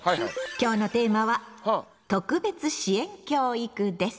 今日のテーマは「特別支援教育」です。